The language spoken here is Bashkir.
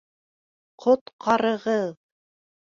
Ҡот-ҡар-ығыҙ!